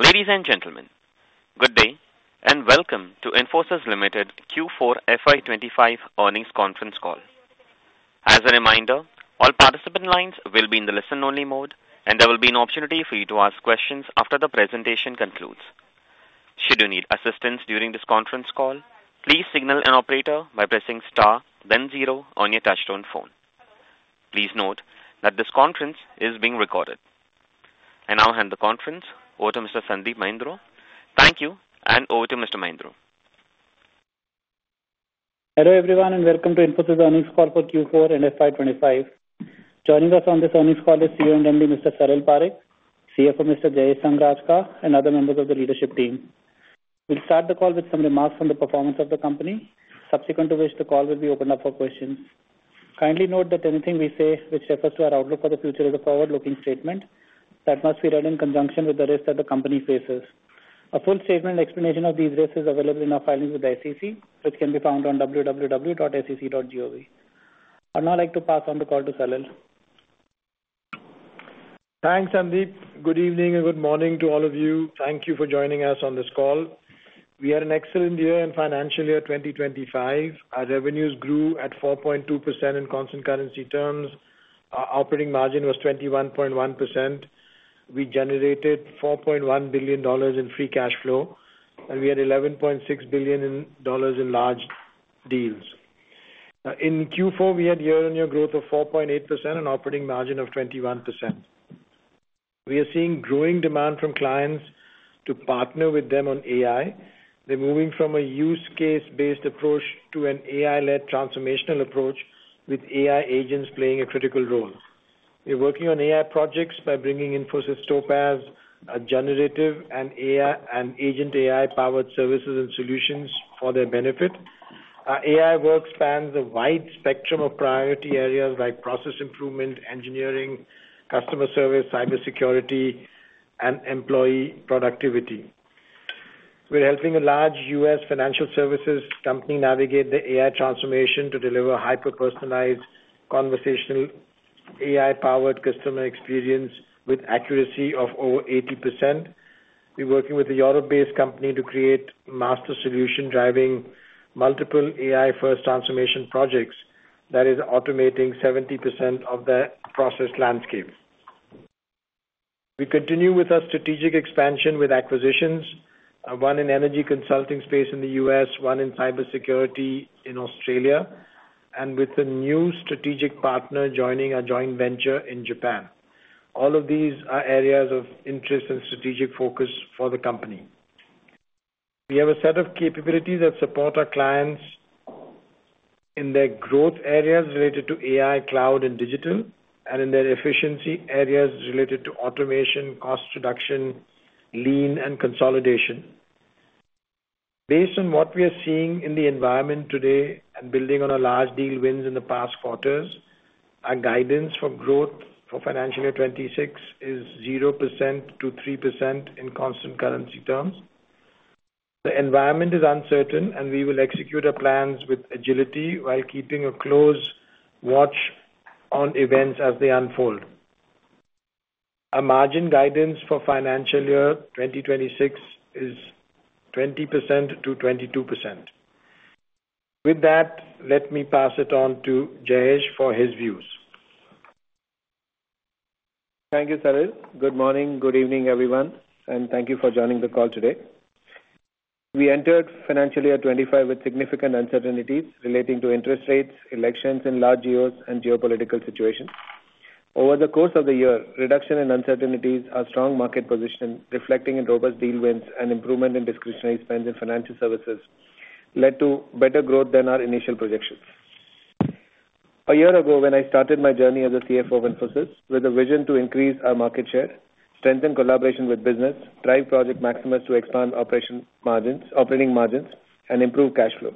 Ladies and gentlemen, good day and welcome to Infosys Limited Q4 FY 2025 Earnings Conference Call. As a reminder, all participant lines will be in the listen-only mode, and there will be an opportunity for you to ask questions after the presentation concludes. Should you need assistance during this conference call, please signal an operator by pressing star, then zero on your touch-tone phone. Please note that this conference is being recorded. I now hand the conference over to Mr. Sandeep Mahindroo. Thank you, and over to Mr. Mahindroo. Hello everyone and welcome to Infosys earnings call for Q4 and FY 2025. Joining us on this earnings call is CEO and MD Mr. Salil Parekh, CFO Mr. Jayesh Sanghrajka, and other members of the leadership team. We'll start the call with some remarks on the performance of the company, subsequent to which the call will be opened up for questions. Kindly note that anything we say which refers to our outlook for the future is a forward-looking statement that must be read in conjunction with the risks that the company faces. A full statement and explanation of these risks is available in our filings with ICC, which can be found on www.icc.gov. I'd now like to pass on the call to Salil. Thanks, Sandeep. Good evening and good morning to all of you. Thank you for joining us on this call. We had an excellent year and financial year 2025. Our revenues grew at 4.2% in constant currency terms. Our operating margin was 21.1%. We generated $4.1 billion in free cash flow, and we had $11.6 billion in large deals. In Q4, we had year-on-year growth of 4.8% and an operating margin of 21%. We are seeing growing demand from clients to partner with them on AI. They're moving from a use-case-based approach to an AI-led transformational approach, with AI agents playing a critical role. We're working on AI projects by bringing Infosys Topaz, a generative and agent AI-powered services and solutions for their benefit. AI work spans a wide spectrum of priority areas like process improvement, engineering, customer service, cybersecurity, and employee productivity. We're helping a large U.S. financial services company navigate the AI transformation to deliver hyper-personalized, conversational, AI-powered customer experience with accuracy of over 80%. We're working with a Europe-based company to create a master solution driving multiple AI-first transformation projects that is automating 70% of the process landscape. We continue with our strategic expansion with acquisitions, one in the energy consulting space in the U.S., one in cybersecurity in Australia, and with a new strategic partner joining a joint venture in Japan. All of these are areas of interest and strategic focus for the company. We have a set of capabilities that support our clients in their growth areas related to AI, cloud, and digital, and in their efficiency areas related to automation, cost reduction, lean, and consolidation. Based on what we are seeing in the environment today and building on our large deal wins in the past quarters, our guidance for growth for financial year 2026 is 0%-3% in constant currency terms. The environment is uncertain, and we will execute our plans with agility while keeping a close watch on events as they unfold. Our margin guidance for financial year 2026 is 20%-22%. With that, let me pass it on to Jayesh for his views. Thank you, Salil. Good morning, good evening, everyone, and thank you for joining the call today. We entered financial year 2025 with significant uncertainties relating to interest rates, elections in large years, and geopolitical situations. Over the course of the year, reduction in uncertainties, our strong market position, reflecting in robust deal wins and improvement in discretionary spend in financial services, led to better growth than our initial projections. A year ago, when I started my journey as the CFO of Infosys with a vision to increase our market share, strengthen collaboration with business, drive Project Maximus to expand operation margins, operating margins, and improve cash flow,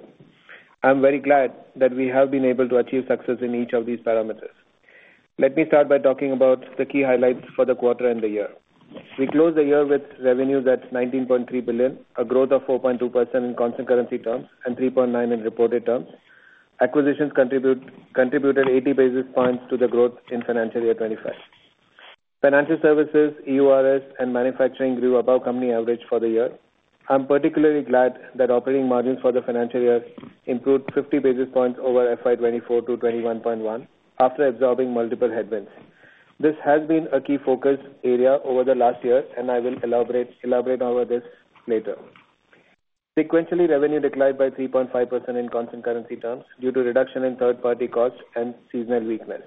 I'm very glad that we have been able to achieve success in each of these parameters. Let me start by talking about the key highlights for the quarter and the year. We closed the year with revenues at $19.3 billion, a growth of 4.2% in constant currency terms and 3.9% in reported terms. Acquisitions contributed 80 basis points to the growth in financial year 2025. Financial services, EURS, and manufacturing grew above company average for the year. I'm particularly glad that operating margins for the financial year improved 50 basis points over FY 2024 to 21.1% after absorbing multiple headwinds. This has been a key focus area over the last year, and I will elaborate on this later. Sequentially, revenue declined by 3.5% in constant currency terms due to reduction in third-party costs and seasonal weakness.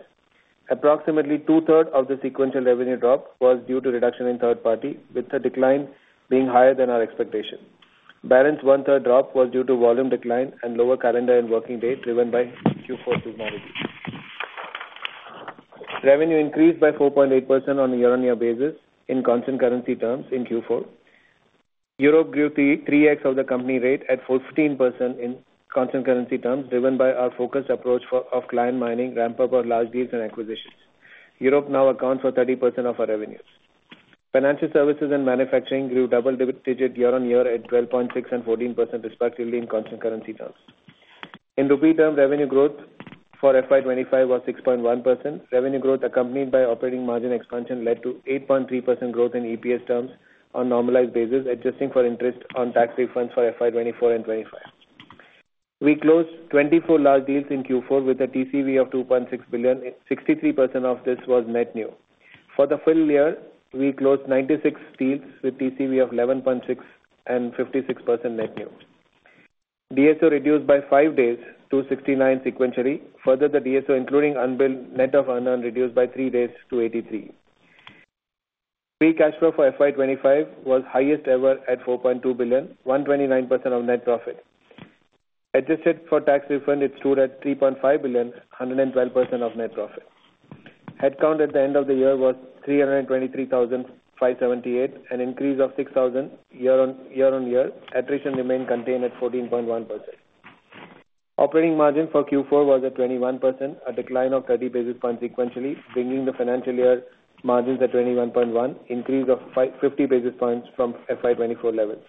Approximately 2/3 of the sequential revenue drop was due to reduction in third-party, with the decline being higher than our expectation. Balance 1/3 drop was due to volume decline and lower calendar and working date driven by Q4 seasonality. Revenue increased by 4.8% on a year-on-year basis in constant currency terms in Q4. Europe grew 3x of the company rate at 14% in constant currency terms driven by our focused approach of client mining, ramp-up, or large deals and acquisitions. Europe now accounts for 30% of our revenues. Financial services and manufacturing grew double-digit year-on-year at 12.6% and 14% respectively in constant currency terms. In rupee term, revenue growth for FY 2025 was 6.1%. Revenue growth accompanied by operating margin expansion led to 8.3% growth in EPS terms on normalized basis, adjusting for interest on tax refunds for FY 2024 and 2025. We closed 24 large deals in Q4 with a TCV of $2.6 billion. 63% of this was net new. For the full year, we closed 96 deals with TCV of $11.6 billion and 56% net new. DSO reduced by 5 days to 69 sequentially. Further, the DSO, including unbilled net of unearned, reduced by 3 days to 83. Free cash flow for FY 2025 was highest ever at $4.2 billion, 129% of net profit. Adjusted for tax refund, it stood at $3.5 billion, 112% of net profit. Headcount at the end of the year was 323,578, an increase of 6,000 year-on-year. Attrition remained contained at 14.1%. Operating margin for Q4 was at 21%, a decline of 30 basis points sequentially, bringing the financial year margins at 21.1%, an increase of 50 basis points from FY 2024 levels.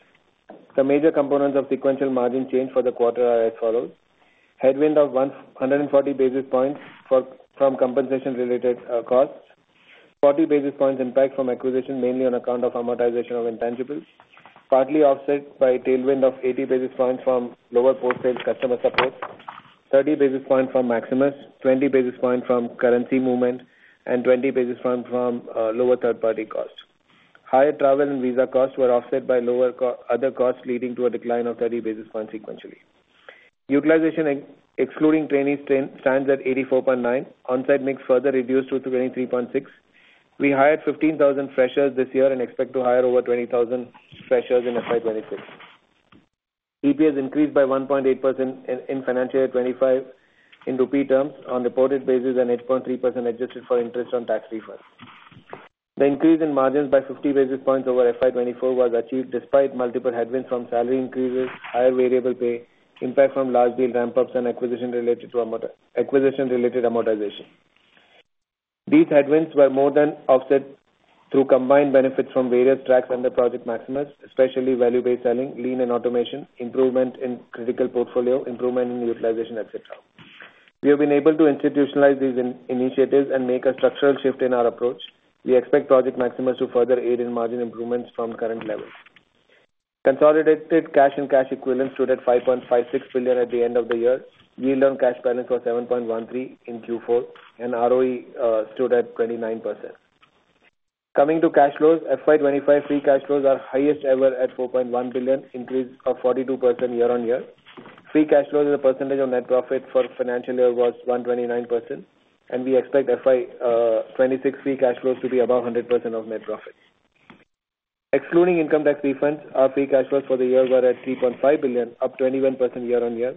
The major components of sequential margin change for the quarter are as follows: headwind of 140 basis points from compensation-related costs, 40 basis points impact from acquisition, mainly on account of amortization of intangibles, partly offset by tailwind of 80 basis points from lower post-sales customer support, 30 basis points from Maximus, 20 basis points from currency movement, and 20 basis points from lower third-party costs. Higher travel and visa costs were offset by lower other costs, leading to a decline of 30 basis points sequentially. Utilization, excluding trainees, stands at 84.9%. On-site mix further reduced to 23.6%. We hired 15,000 freshers this year and expect to hire over 20,000 freshers in FY 2026. EPS increased by 1.8% in financial year 2025 in rupee terms on reported basis and 8.3% adjusted for interest on tax refunds. The increase in margins by 50 basis points over FY 2024 was achieved despite multiple headwinds from salary increases, higher variable pay, impact from large deal ramp-ups, and acquisition-related amortization. These headwinds were more than offset through combined benefits from various tracks under Project Maximus, especially value-based selling, lean and automation, improvement in critical portfolio, improvement in utilization, etc. We have been able to institutionalize these initiatives and make a structural shift in our approach. We expect Project Maximus to further aid in margin improvements from current levels. Consolidated cash and cash equivalents stood at $5.56 billion at the end of the year. Yield on cash balance was 7.13% in Q4, and ROE stood at 29%. Coming to cash flows, FY 2025 free cash flows are highest ever at $4.1 billion, an increase of 42% year-on-year. Free cash flows, the percentage of net profit for financial year was 129%, and we expect FY 2026 free cash flows to be above 100% of net profit. Excluding income tax refunds, our free cash flows for the year were at $3.5 billion, up 21% year-on-year.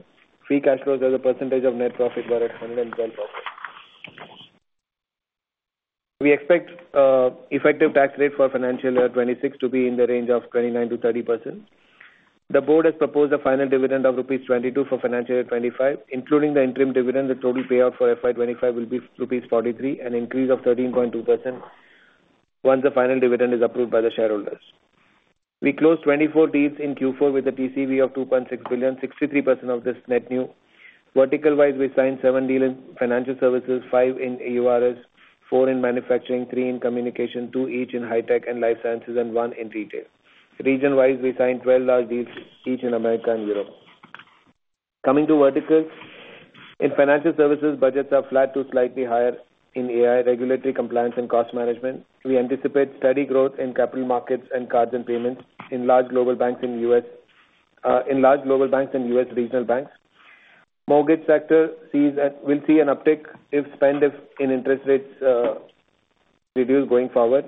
Free cash flows, the percentage of net profit was at 112%. We expect effective tax rate for financial year 2026 to be in the range of 29%-30%. The board has proposed a final dividend of rupees 22 for financial year 2025. Including the interim dividend, the total payout for FY 2025 will be rupees 43, an increase of 13.2% once the final dividend is approved by the shareholders. We closed 24 deals in Q4 with a TCV of $2.6 billion, 63% of this net new. Vertical-wise, we signed seven deals in financial services, five in EURS, four in manufacturing, three in communication, two each in high-tech and life sciences, and one in retail. Region-wise, we signed 12 large deals each in America and Europe. Coming to verticals, in financial services, budgets are flat to slightly higher in AI regulatory compliance and cost management. We anticipate steady growth in capital markets and cards and payments in large global banks and U.S. regional banks. Mortgage sector will see an uptick if spend in interest rates reduce going forward.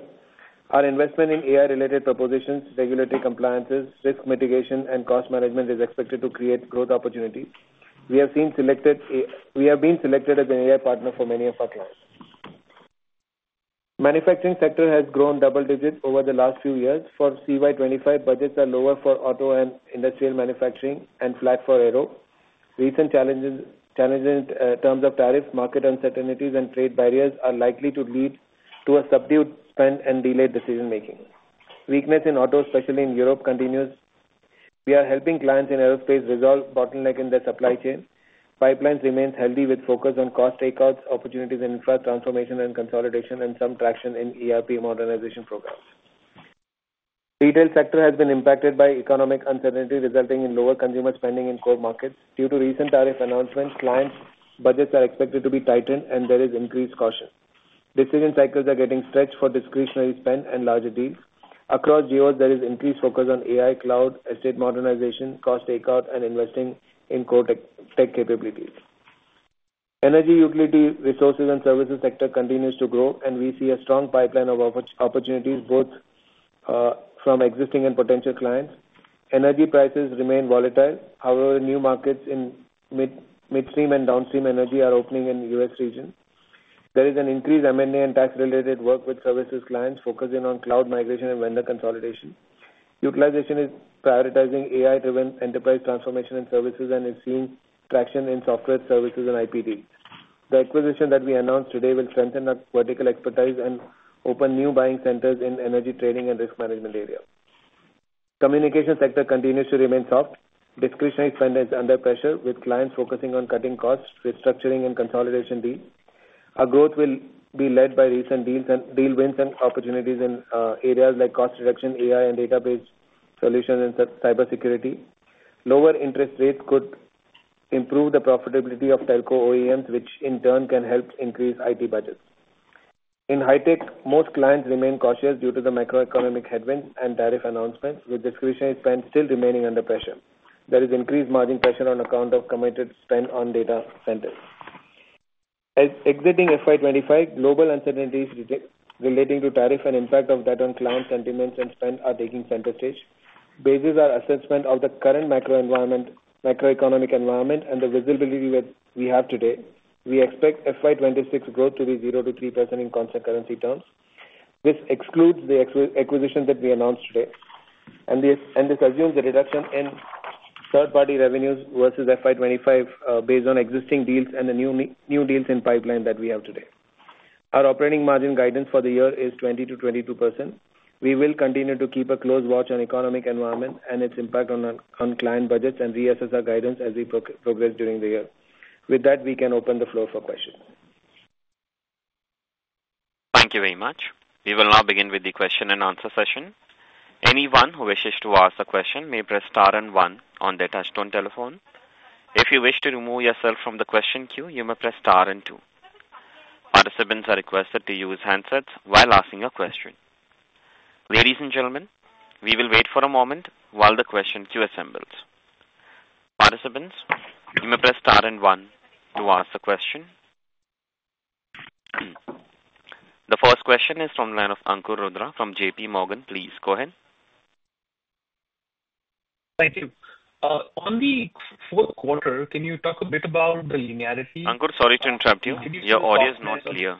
Our investment in AI-related propositions, regulatory compliances, risk mitigation, and cost management is expected to create growth opportunities. We have been selected as an AI partner for many of our clients. Manufacturing sector has grown double-digit over the last few years. For CY 2025, budgets are lower for auto and industrial manufacturing and flat for aero. Recent challenges in terms of tariffs, market uncertainties, and trade barriers are likely to lead to a subdued spend and delayed decision-making. Weakness in auto, especially in Europe, continues. We are helping clients in aerospace resolve bottlenecks in their supply chain. Pipelines remain healthy with focus on cost takeouts, opportunities in infrastructure transformation and consolidation, and some traction in ERP modernization programs. Retail sector has been impacted by economic uncertainty resulting in lower consumer spending in core markets. Due to recent tariff announcements, clients' budgets are expected to be tightened, and there is increased caution. Decision cycles are getting stretched for discretionary spend and larger deals. Across geos, there is increased focus on AI, cloud, estate modernization, cost takeout, and investing in core tech capabilities. Energy, utility, resources, and services sector continues to grow, and we see a strong pipeline of opportunities both from existing and potential clients. Energy prices remain volatile. However, new markets in midstream and downstream energy are opening in the U.S. region. There is an increased M&A and tax-related work with services clients focusing on cloud migration and vendor consolidation. Utilization is prioritizing AI-driven enterprise transformation and services and is seeing traction in software services and IP deals. The acquisition that we announced today will strengthen our vertical expertise and open new buying centers in energy trading and risk management areas. Communication sector continues to remain soft. Discretionary spend is under pressure with clients focusing on cutting costs, restructuring, and consolidation deals. Our growth will be led by recent deals and deal wins and opportunities in areas like cost reduction, AI and database solutions, and cybersecurity. Lower interest rates could improve the profitability of telco OEMs, which in turn can help increase IT budgets. In high-tech, most clients remain cautious due to the macroeconomic headwinds and tariff announcements, with discretionary spend still remaining under pressure. There is increased margin pressure on account of committed spend on data centers. Exiting FY 2025, global uncertainties relating to tariff and impact of that on client sentiments and spend are taking center stage. Basis our assessment of the current macroeconomic environment and the visibility we have today, we expect FY 2026 growth to be 0%-3% in constant currency terms. This excludes the acquisition that we announced today, and this assumes a reduction in third-party revenues versus FY 2025 based on existing deals and the new deals in pipeline that we have today. Our operating margin guidance for the year is 20%-22%. We will continue to keep a close watch on the economic environment and its impact on client budgets and reassess our guidance as we progress during the year. With that, we can open the floor for questions. Thank you very much. We will now begin with the question and answer session. Anyone who wishes to ask a question may press star and one on their touch-tone telephone. If you wish to remove yourself from the question queue, you may press star and two. Participants are requested to use handsets while asking a question. Ladies and gentlemen, we will wait for a moment while the question queue assembles. Participants, you may press star and one to ask a question. The first question is from the line of Ankur Rudra from J.P. Morgan. Please go ahead. Thank you. On the fourth quarter, can you talk a bit about the linearity? Ankur, sorry to interrupt you. Your audio is not clear.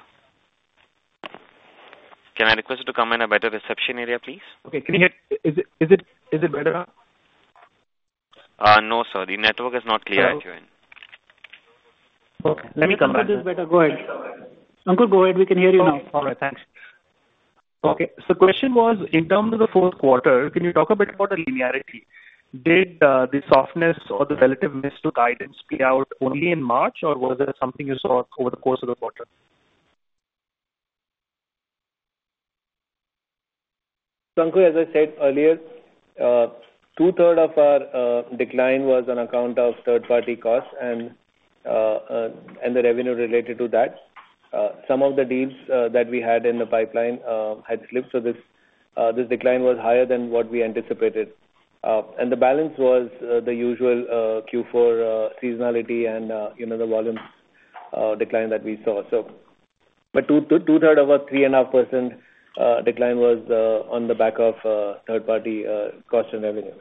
Can I request you to come in a better reception area, please? Okay. Can you hear? Is it better now? No, sir. The network is not clear at your end. Okay. Let me come back. The network is better. Go ahead. Ankur, go ahead. We can hear you now. All right. Thanks. Okay. The question was, in terms of the fourth quarter, can you talk a bit about the linearity? Did the softness or the relative miss to guidance play out only in March, or was there something you saw over the course of the quarter? Ankur, as I said earlier, 2/3 of our decline was on account of third-party costs and the revenue related to that. Some of the deals that we had in the pipeline had slipped, so this decline was higher than what we anticipated. The balance was the usual Q4 seasonality and the volume decline that we saw. Two-thirds of a 3.5% decline was on the back of third-party cost and revenue.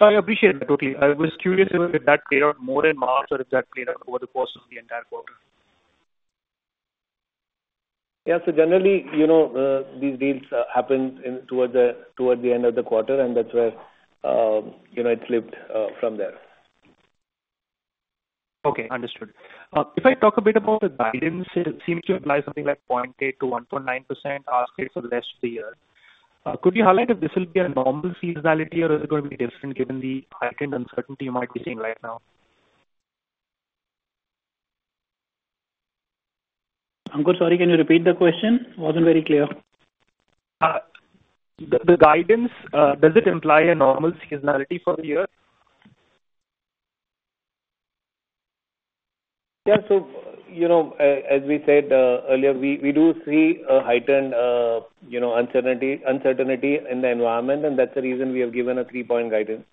I appreciate that, totally. I was curious if that played out more in March or if that played out over the course of the entire quarter. Yeah. Generally, these deals happen towards the end of the quarter, and that's where it slipped from there. Okay. Understood. If I talk a bit about the guidance, it seems to apply something like 0.8%-1.9% asking for the rest of the year. Could you highlight if this will be a normal seasonality or is it going to be different given the heightened uncertainty you might be seeing right now? Ankur, sorry, can you repeat the question? It wasn't very clear. The guidance, does it imply a normal seasonality for the year? Yeah. As we said earlier, we do see a heightened uncertainty in the environment, and that's the reason we have given a three-point guidance.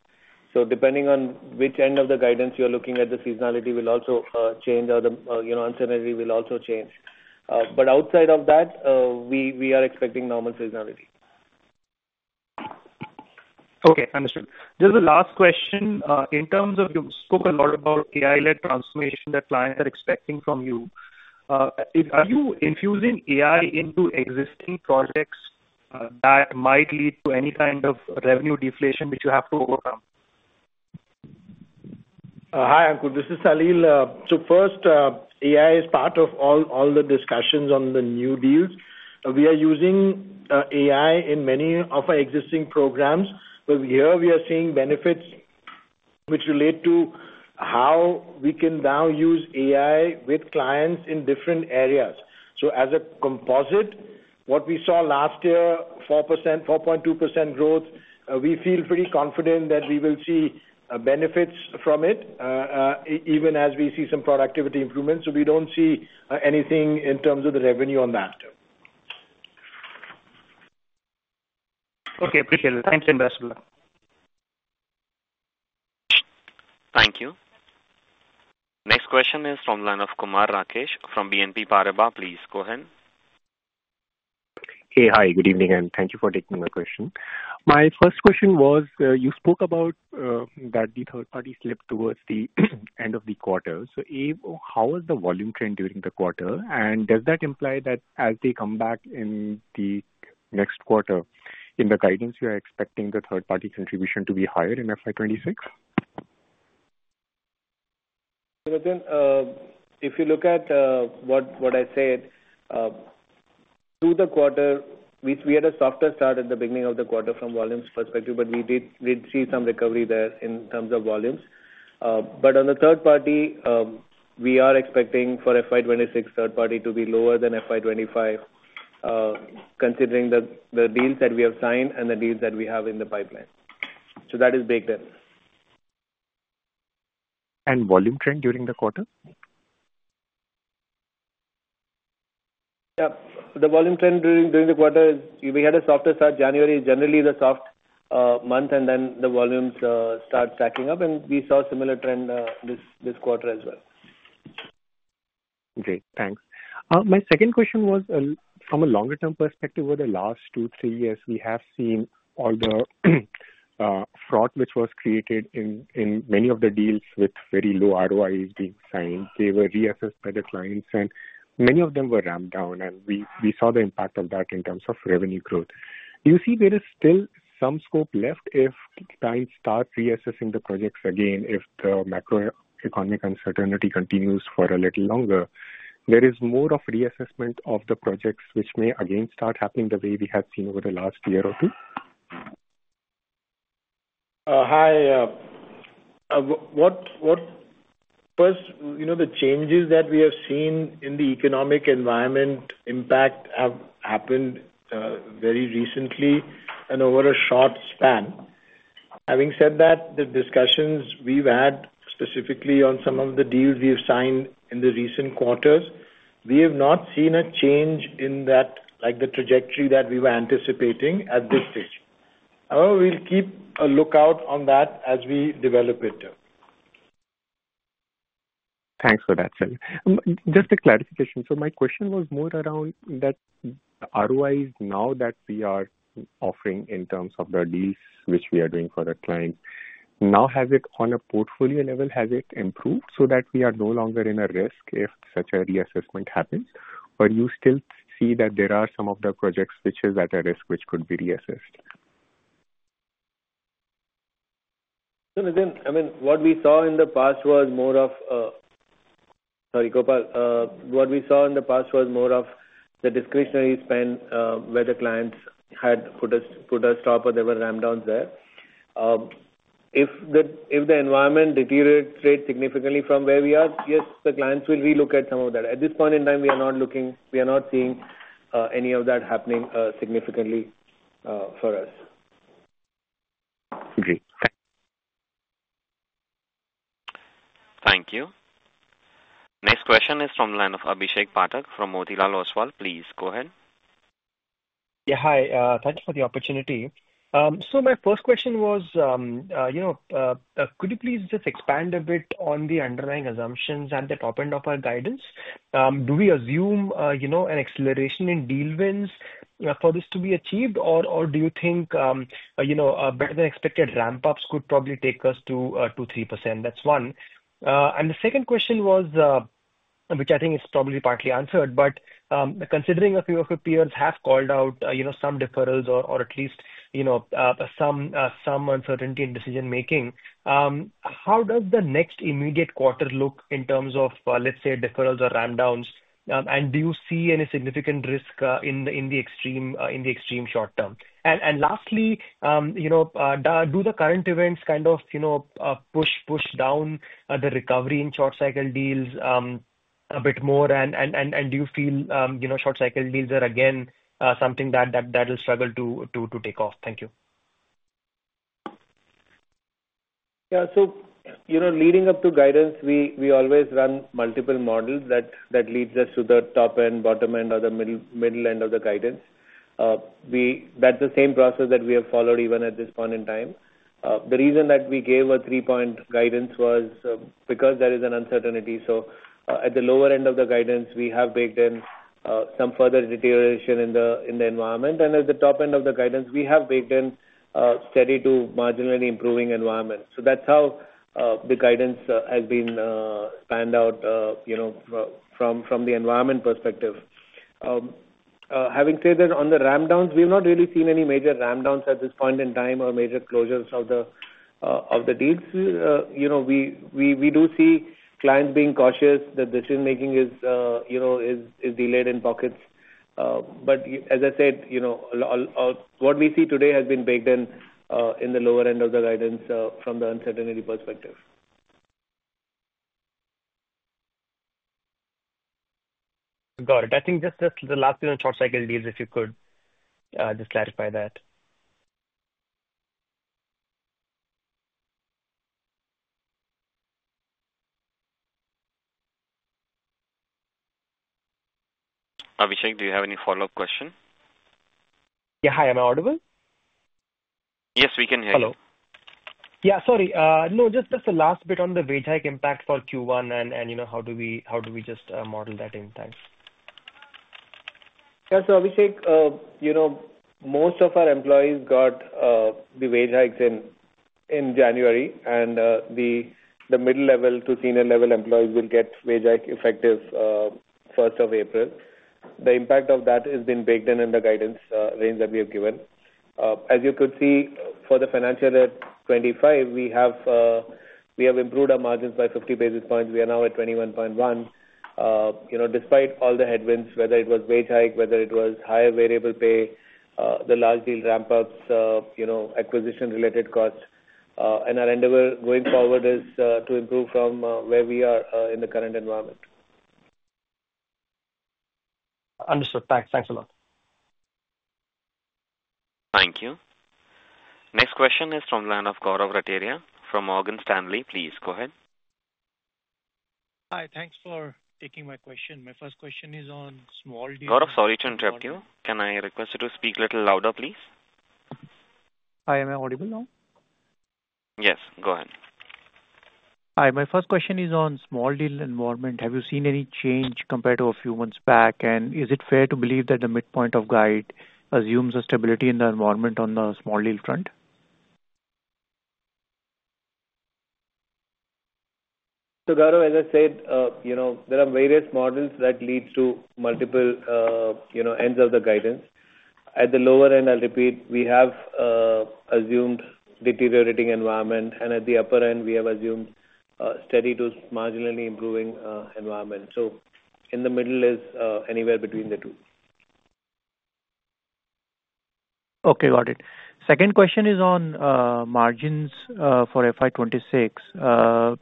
Depending on which end of the guidance you're looking at, the seasonality will also change, or the uncertainty will also change. Outside of that, we are expecting normal seasonality. Okay. Understood. Just the last question. In terms of you spoke a lot about AI-led transformation that clients are expecting from you. Are you infusing AI into existing projects that might lead to any kind of revenue deflation which you have to overcome? Hi, Ankur. This is Salil. First, AI is part of all the discussions on the new deals. We are using AI in many of our existing programs, but here we are seeing benefits which relate to how we can now use AI with clients in different areas. As a composite, what we saw last year, 4.2% growth, we feel pretty confident that we will see benefits from it, even as we see some productivity improvements. We do not see anything in terms of the revenue on that. Okay. Appreciate it. Thank you and best of luck. Thank you. Next question is from the line of Kumar Rakesh from BNB Paribas. Please go ahead. Hey, hi. Good evening, and thank you for taking my question. My first question was, you spoke about that the third-party slipped towards the end of the quarter. How was the volume trend during the quarter? Does that imply that as they come back in the next quarter, in the guidance, you are expecting the third-party contribution to be higher in FY 2026? If you look at what I said, through the quarter, we had a softer start at the beginning of the quarter from volumes perspective, but we did see some recovery there in terms of volumes. On the third-party, we are expecting for FY 2026 third-party to be lower than FY 2025, considering the deals that we have signed and the deals that we have in the pipeline. That is baked in. Volume trend during the quarter? Yeah. The volume trend during the quarter, we had a softer start. January is generally the soft month, and then the volumes start stacking up, and we saw a similar trend this quarter as well. Great. Thanks. My second question was, from a longer-term perspective, over the last two, three years, we have seen all the froth which was created in many of the deals with very low ROIs being signed. They were reassessed by the clients, and many of them were ramped down, and we saw the impact of that in terms of revenue growth. Do you see there is still some scope left if clients start reassessing the projects again if the macroeconomic uncertainty continues for a little longer? There is more of reassessment of the projects which may again start happening the way we have seen over the last year or two? Hi. First, the changes that we have seen in the economic environment impact have happened very recently and over a short span. Having said that, the discussions we've had specifically on some of the deals we've signed in the recent quarters, we have not seen a change in the trajectory that we were anticipating at this stage. However, we'll keep a lookout on that as we develop it. Thanks for that, Salil. Just a clarification. My question was more around that the ROIs now that we are offering in terms of the deals which we are doing for our clients, now has it on a portfolio level, has it improved so that we are no longer in a risk if such a reassessment happens? Do you still see that there are some of the projects which are at risk which could be reassessed? I mean, what we saw in the past was more of—sorry, Gopal. What we saw in the past was more of the discretionary spend where the clients had put a stop or there were ramp-downs there. If the environment deteriorates significantly from where we are, yes, the clients will relook at some of that. At this point in time, we are not looking—we are not seeing any of that happening significantly for us. Great. Thanks. Thank you. Next question is from the line of Abhishek Pathak from Motilal Oswal. Please go ahead. Yeah. Hi. Thanks for the opportunity. My first question was, could you please just expand a bit on the underlying assumptions and the top end of our guidance? Do we assume an acceleration in deal wins for this to be achieved, or do you think better-than-expected ramp-ups could probably take us to 2%, 3%? That is one. The second question was, which I think is probably partly answered, but considering a few of your peers have called out some deferrals or at least some uncertainty in decision-making, how does the next immediate quarter look in terms of, let's say, deferrals or ramp-downs? Do you see any significant risk in the extreme short-term? Lastly, do the current events kind of push down the recovery in short-cycle deals a bit more? Do you feel short-cycle deals are again something that will struggle to take off? Thank you. Yeah. Leading up to guidance, we always run multiple models that lead us to the top end, bottom end, or the middle end of the guidance. That is the same process that we have followed even at this point in time. The reason that we gave a three-point guidance was because there is an uncertainty. At the lower end of the guidance, we have baked in some further deterioration in the environment. At the top end of the guidance, we have baked in steady to marginally improving environment. That is how the guidance has been planned out from the environment perspective. Having said that, on the ramp-downs, we have not really seen any major ramp-downs at this point in time or major closures of the deals. We do see clients being cautious that decision-making is delayed in pockets. As I said, what we see today has been baked in the lower end of the guidance from the uncertainty perspective. Got it. I think just the last bit on short-cycle deals, if you could just clarify that. Abhishek, do you have any follow-up question? Yeah. Hi. Am I audible? Yes, we can hear you. Hello. Yeah. Sorry. No, just the last bit on the wage hike impact for Q1 and how do we just model that in. Thanks. Yeah. Abhishek, most of our employees got the wage hikes in January, and the middle-level to senior-level employees will get wage hike effective 1st of April. The impact of that has been baked in in the guidance range that we have given. As you could see, for the financial year 2025, we have improved our margins by 50 basis points. We are now at 21.1. Despite all the headwinds, whether it was wage hike, whether it was higher variable pay, the large deal ramp-ups, acquisition-related costs, and our endeavor going forward is to improve from where we are in the current environment. Understood. Thanks. Thanks a lot. Thank you. Next question is from the line of Gaurav Rateria from Morgan Stanley. Please go ahead. Hi. Thanks for taking my question. My first question is on small deal. Gaurav, sorry to interrupt you. Can I request you to speak a little louder, please? Hi. Am I audible now? Yes. Go ahead. Hi. My first question is on small deal environment. Have you seen any change compared to a few months back? Is it fair to believe that the midpoint of guide assumes a stability in the environment on the small deal front? Gaurav, as I said, there are various models that lead to multiple ends of the guidance. At the lower end, I'll repeat, we have assumed deteriorating environment, and at the upper end, we have assumed steady to marginally improving environment. In the middle is anywhere between the two. Okay. Got it. Second question is on margins for FY 2026.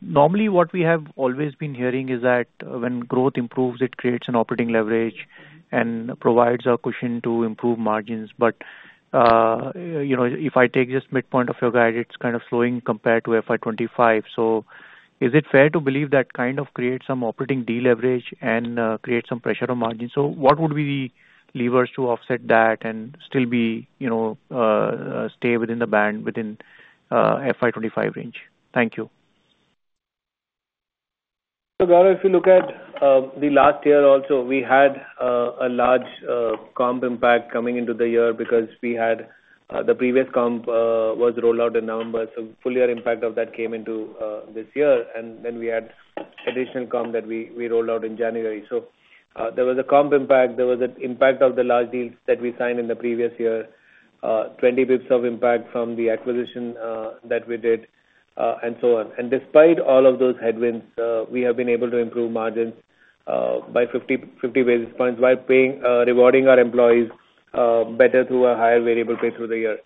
Normally, what we have always been hearing is that when growth improves, it creates an operating leverage and provides a cushion to improve margins. If I take this midpoint of your guide, it's kind of slowing compared to FY 2025. Is it fair to believe that kind of creates some operating deal leverage and creates some pressure on margins? What would be the levers to offset that and still stay within the band, within FY 2025 range? Thank you. Gaurav, if you look at the last year also, we had a large comp impact coming into the year because we had the previous comp was rolled out in November. Full year impact of that came into this year, and then we had additional comp that we rolled out in January. There was a comp impact. There was an impact of the large deals that we signed in the previous year, 20 basis points of impact from the acquisition that we did, and so on. Despite all of those headwinds, we have been able to improve margins by 50 basis points while rewarding our employees better through a higher variable pay through the year.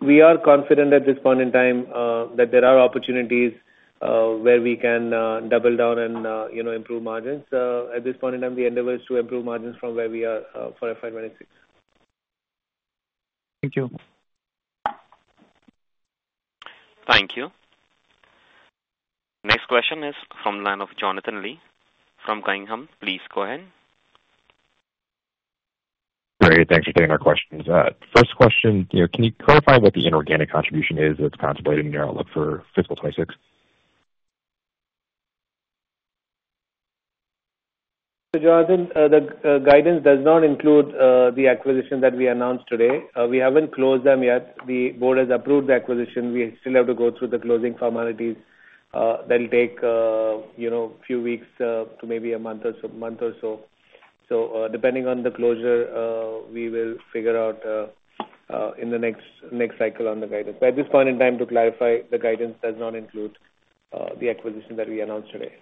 We are confident at this point in time that there are opportunities where we can double down and improve margins. At this point in time, the endeavor is to improve margins from where we are for FY 2026. Thank you. Thank you. Next question is from the line of Jonathan Lee from Guggenheim. Please go ahead. Great. Thanks for taking our questions. First question, can you clarify what the inorganic contribution is that's contemplated in your outlook for fiscal 2026? Jonathan, the guidance does not include the acquisition that we announced today. We have not closed them yet. The board has approved the acquisition. We still have to go through the closing formalities. That will take a few weeks to maybe a month or so. Depending on the closure, we will figure out in the next cycle on the guidance. At this point in time, to clarify, the guidance does not include the acquisition that we announced today.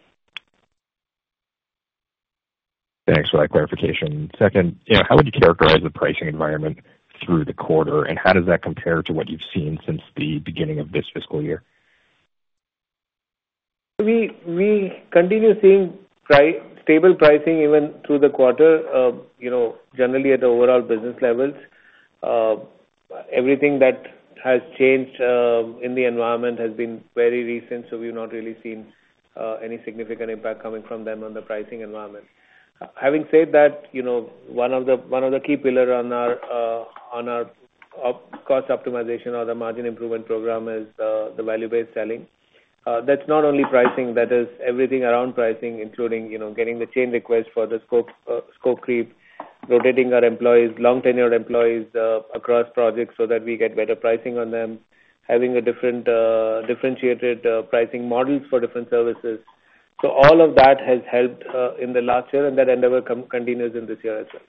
Thanks for that clarification. Second, how would you characterize the pricing environment through the quarter, and how does that compare to what you've seen since the beginning of this fiscal year? We continue seeing stable pricing even through the quarter, generally at the overall business levels. Everything that has changed in the environment has been very recent, so we've not really seen any significant impact coming from them on the pricing environment. Having said that, one of the key pillars on our cost optimization or the margin improvement program is the value-based selling. That's not only pricing. That is everything around pricing, including getting the chain request for the scope creep, rotating our employees, long-tenured employees across projects so that we get better pricing on them, having a differentiated pricing model for different services. All of that has helped in the last year, and that endeavor continues in this year as well.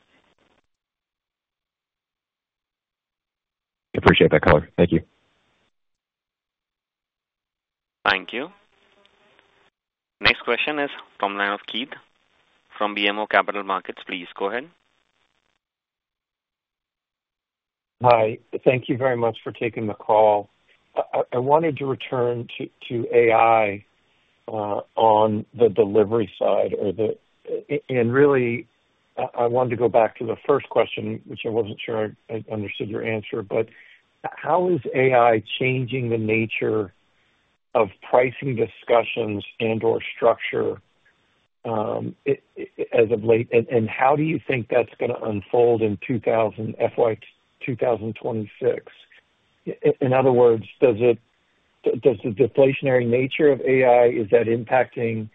Appreciate that color. Thank you. Thank you. Next question is from the line of Keith from BMO Capital Markets. Please go ahead. Hi. Thank you very much for taking the call. I wanted to return to AI on the delivery side. I wanted to go back to the first question, which I was not sure I understood your answer. How is AI changing the nature of pricing discussions and/or structure as of late? How do you think that is going to unfold in FY 2026? In other words, does the deflationary nature of AI, is that impacting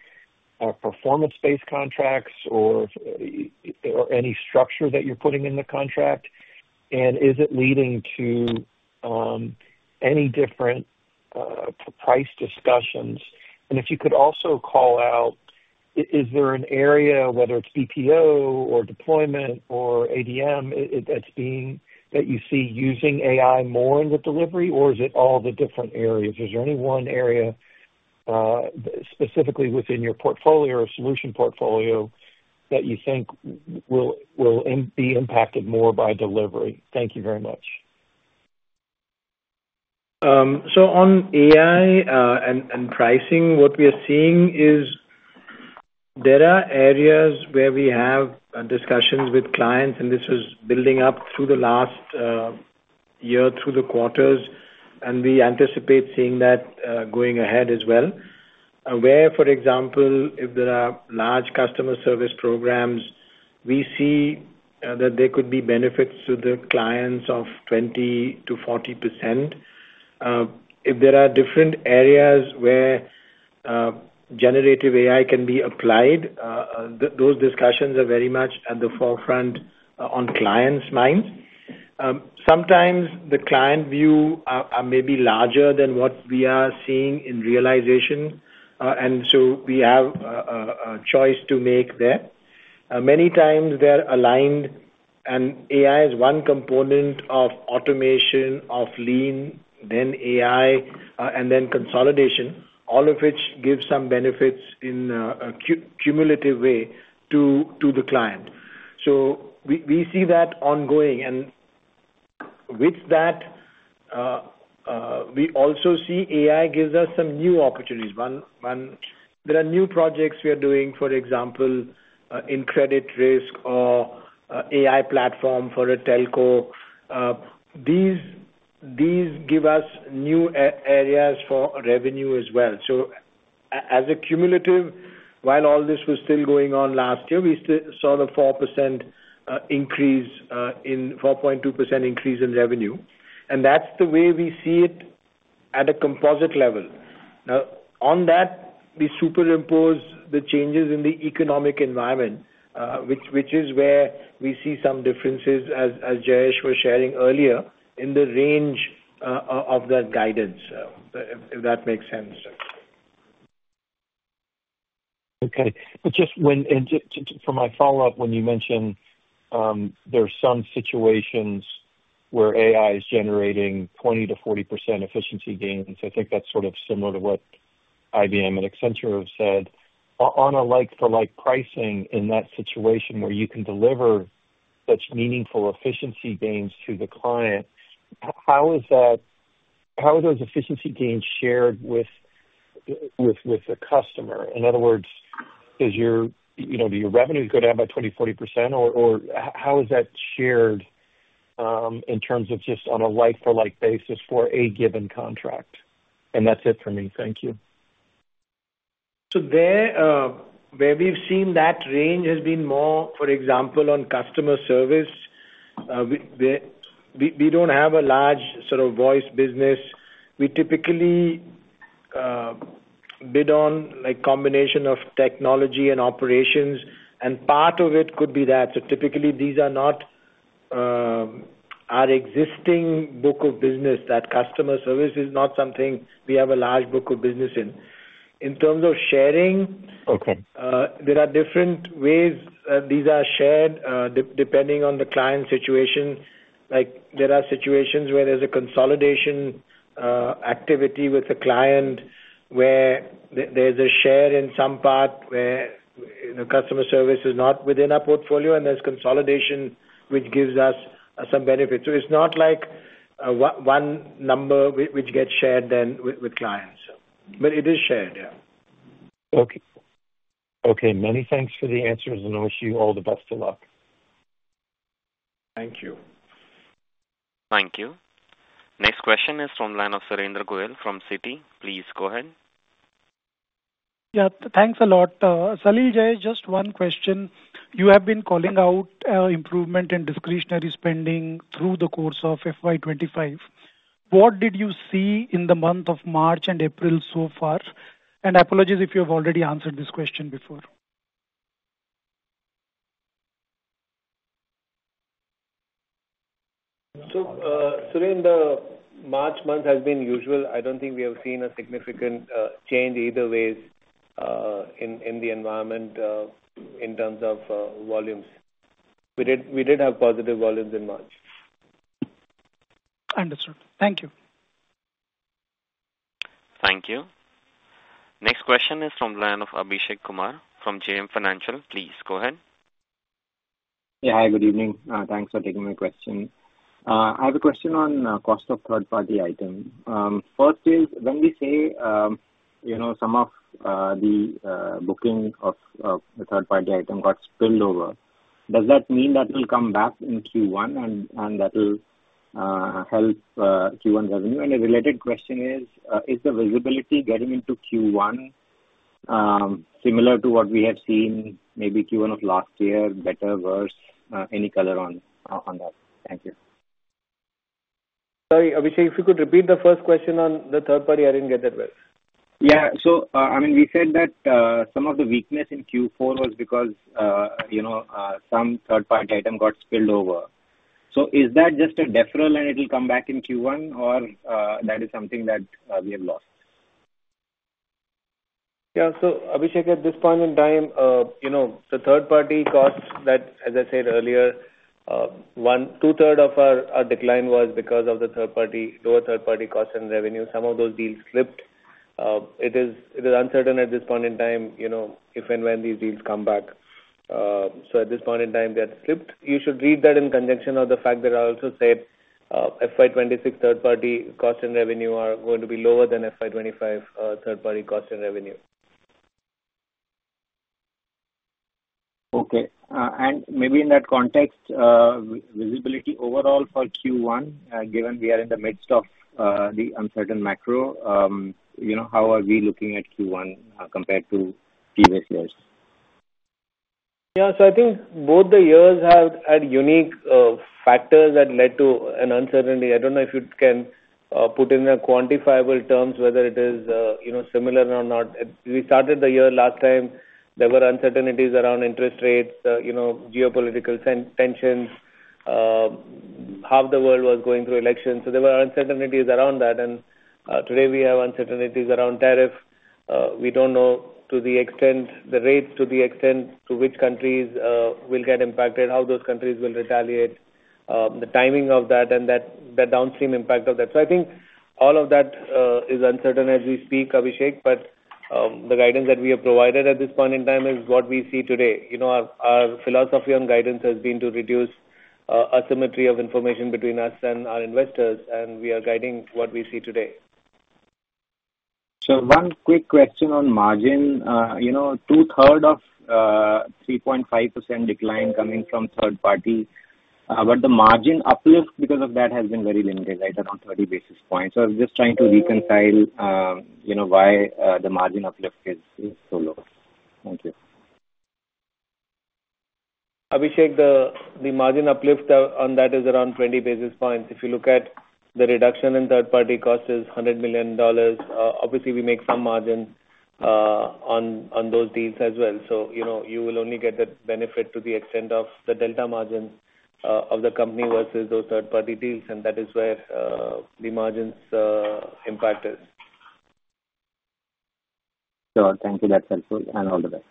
performance-based contracts or any structure that you are putting in the contract? Is it leading to any different price discussions? If you could also call out, is there an area, whether it is BPO or deployment or ADM, that you see using AI more in the delivery, or is it all the different areas? Is there any one area specifically within your portfolio or solution portfolio that you think will be impacted more by delivery? Thank you very much. On AI and pricing, what we are seeing is there are areas where we have discussions with clients, and this is building up through the last year, through the quarters, and we anticipate seeing that going ahead as well. Where, for example, if there are large customer service programs, we see that there could be benefits to the clients of 20%-40%. If there are different areas where generative AI can be applied, those discussions are very much at the forefront on clients' minds. Sometimes the client views are maybe larger than what we are seeing in realization, and so we have a choice to make there. Many times they're aligned, and AI is one component of automation, of lean, then AI, and then consolidation, all of which gives some benefits in a cumulative way to the client. We see that ongoing. With that, we also see AI gives us some new opportunities. There are new projects we are doing, for example, in credit risk or AI platform for a telco. These give us new areas for revenue as well. As a cumulative, while all this was still going on last year, we still saw the 4.2% increase in revenue. That is the way we see it at a composite level. On that, we superimpose the changes in the economic environment, which is where we see some differences, as Jayesh was sharing earlier, in the range of that guidance, if that makes sense. Okay. Just for my follow-up, when you mentioned there are some situations where AI is generating 20%-40% efficiency gains, I think that's sort of similar to what IBM and Accenture have said. On a like-for-like pricing in that situation where you can deliver such meaningful efficiency gains to the client, how are those efficiency gains shared with the customer? In other words, do your revenues go down by 20%-40%, or how is that shared in terms of just on a like-for-like basis for a given contract? That's it for me. Thank you. Where we've seen that range has been more, for example, on customer service. We don't have a large sort of voice business. We typically bid on a combination of technology and operations, and part of it could be that. Typically, these are not our existing book of business. That customer service is not something we have a large book of business in. In terms of sharing, there are different ways these are shared depending on the client situation. There are situations where there's a consolidation activity with the client where there's a share in some part where the customer service is not within our portfolio, and there's consolidation which gives us some benefit. It's not like one number which gets shared then with clients. It is shared, yeah. Okay. Okay. Many thanks for the answers, and I wish you all the best of luck. Thank you. Thank you. Next question is from the line of Surendra Goyal from Citi. Please go ahead. Yeah. Thanks a lot. Salil, Jay, just one question. You have been calling out improvement in discretionary spending through the course of FY 2025. What did you see in the month of March and April so far? Apologies if you have already answered this question before. Surendra, March month has been usual. I don't think we have seen a significant change either way in the environment in terms of volumes. We did have positive volumes in March. Understood. Thank you. Thank you. Next question is from the line of Abhishek Kumar from JM Financial. Please go ahead. Yeah. Hi. Good evening. Thanks for taking my question. I have a question on cost of third-party items. First is, when we say some of the booking of third-party items got spilled over, does that mean that will come back in Q1 and that will help Q1 revenue? A related question is, is the visibility getting into Q1 similar to what we have seen maybe Q1 of last year, better, worse, any color on that? Thank you. Sorry, Abhishek, if you could repeat the first question on the third-party, I didn't get that well. Yeah. I mean, we said that some of the weakness in Q4 was because some third-party items got spilled over. Is that just a deferral and it'll come back in Q1, or that is something that we have lost? Yeah. Abhishek, at this point in time, the third-party costs that, as I said earlier, 2/3 of our decline was because of the lower third-party cost and revenue. Some of those deals slipped. It is uncertain at this point in time if and when these deals come back. At this point in time, they have slipped. You should read that in conjunction with the fact that I also said FY 2026 third-party cost and revenue are going to be lower than FY 2025 third-party cost and revenue. Okay. Maybe in that context, visibility overall for Q1, given we are in the midst of the uncertain macro, how are we looking at Q1 compared to previous years? Yeah. I think both the years have had unique factors that led to an uncertainty. I don't know if you can put it in quantifiable terms, whether it is similar or not. We started the year last time, there were uncertainties around interest rates, geopolitical tensions. Half the world was going through elections. There were uncertainties around that. Today, we have uncertainties around tariff. We don't know the rates to the extent to which countries will get impacted, how those countries will retaliate, the timing of that, and the downstream impact of that. I think all of that is uncertain as we speak, Abhishek, but the guidance that we have provided at this point in time is what we see today. Our philosophy on guidance has been to reduce asymmetry of information between us and our investors, and we are guiding what we see today. One quick question on margin. Two-thirds of 3.5% decline coming from third-party, but the margin uplift because of that has been very limited, right, around 30 basis points. I'm just trying to reconcile why the margin uplift is so low. Thank you. Abhishek, the margin uplift on that is around 20 basis points. If you look at the reduction in third-party cost, it's $100 million. Obviously, we make some margin on those deals as well. You will only get that benefit to the extent of the delta margin of the company versus those third-party deals, and that is where the margin's impact is. Sure. Thank you. That's helpful. All the best.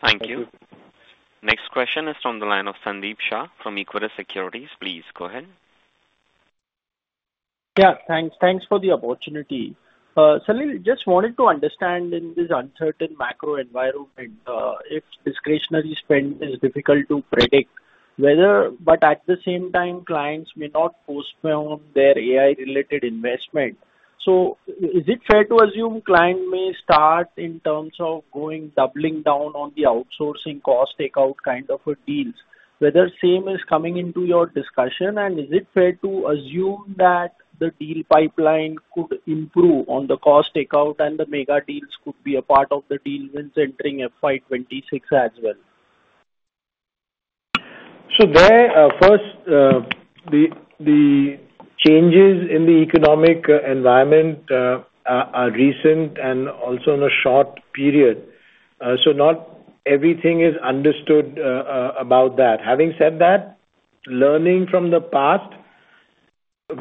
Thank you. Next question is from the line of Sandeep Shah from Equirus Securities. Please go ahead. Yeah. Thanks for the opportunity. Salil, just wanted to understand in this uncertain macro environment, if discretionary spend is difficult to predict, but at the same time, clients may not postpone their AI-related investment. Is it fair to assume clients may start in terms of doubling down on the outsourcing cost takeout kind of deals? Whether same is coming into your discussion, and is it fair to assume that the deal pipeline could improve on the cost takeout and the mega deals could be a part of the deal when entering FY 2026 as well? The changes in the economic environment are recent and also in a short period. Not everything is understood about that. Having said that, learning from the past,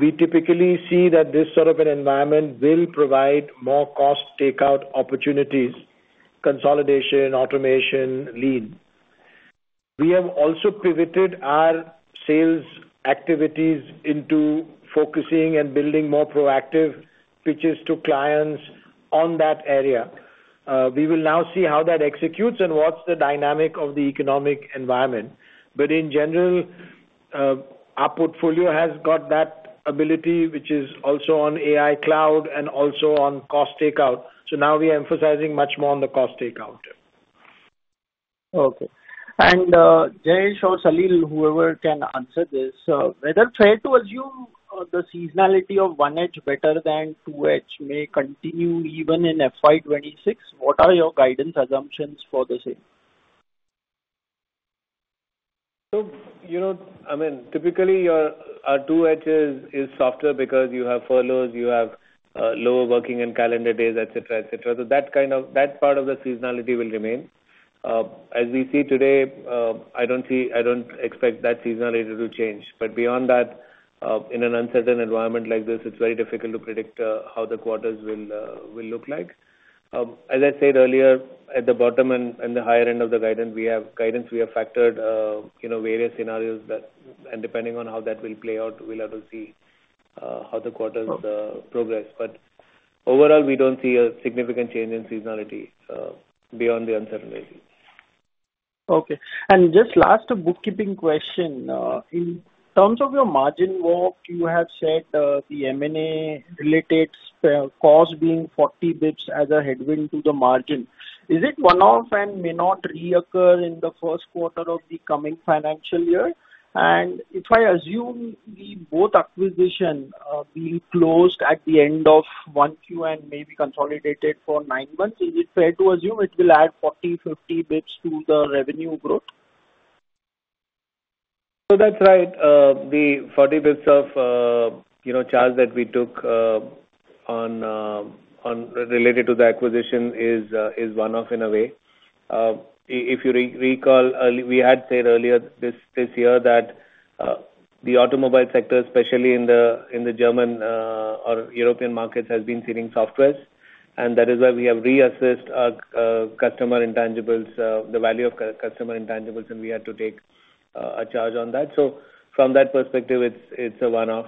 we typically see that this sort of an environment will provide more cost takeout opportunities, consolidation, automation, lean. We have also pivoted our sales activities into focusing and building more proactive pitches to clients on that area. We will now see how that executes and what is the dynamic of the economic environment. In general, our portfolio has got that ability, which is also on AI cloud and also on cost takeout. We are emphasizing much more on the cost takeout. Okay. Jayesh or Salil, whoever can answer this, whether fair to assume the seasonality of 1H better than 2H may continue even in FY 2026, what are your guidance assumptions for the same? I mean, typically, our 2H is softer because you have furloughs, you have lower working and calendar days, etc., etc. That part of the seasonality will remain. As we see today, I do not expect that seasonality to change. Beyond that, in an uncertain environment like this, it is very difficult to predict how the quarters will look like. As I said earlier, at the bottom and the higher end of the guidance, we have factored various scenarios, and depending on how that will play out, we will have to see how the quarters progress. Overall, we do not see a significant change in seasonality beyond the uncertainties. Okay. Just last bookkeeping question. In terms of your margin work, you have said the M&A-related cost being 40 basis points as a headwind to the margin. Is it one-off and may not re-occur in the first quarter of the coming financial year? If I assume both acquisitions being closed at the end of 1Q and maybe consolidated for nine months, is it fair to assume it will add 40-50 basis points to the revenue growth? That is right. The 40 basis points of charge that we took related to the acquisition is one-off in a way. If you recall, we had said earlier this year that the automobile sector, especially in the German or European markets, has been seeing software. That is why we have reassessed the value of customer intangibles, and we had to take a charge on that. From that perspective, it is a one-off.